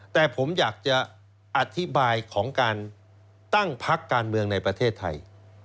แต่ผมอยากจะอธิบายของการตั้งพักการเมืองในประเทศไทย